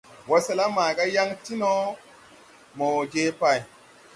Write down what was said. Wɔsɛla maaga yaŋ ti no, mo je pay.